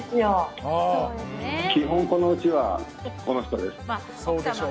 基本このうちはこの人です。